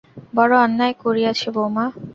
বড়ো অন্যায় করিয়াছে বউমা।